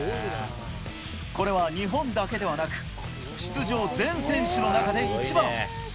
これは日本だけではなく、出場全選手の中で一番。